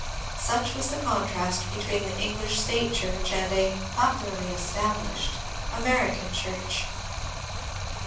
Such was the contrast between the English State Church and a (popularly established) American Church.